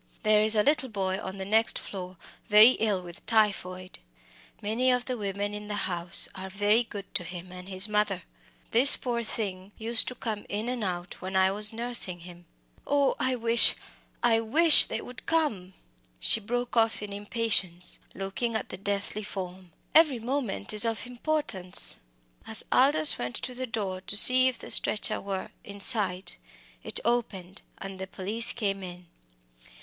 There is a little boy on the next floor very ill with typhoid. Many of the women in the house are very good to him and his mother. This poor thing used to come in and out when I was nursing him Oh, I wish I wish they would come!" she broke off in impatience, looking at the deathly form "every moment is of importance!" As Aldous went to the door to see if the stretcher was in sight, it opened, and the police came in.